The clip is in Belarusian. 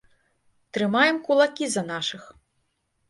Трымаем кулакі за нашых!